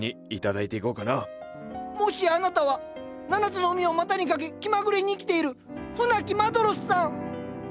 もしやあなたは７つの海を股にかけ気まぐれに生きている船木マドロスさん。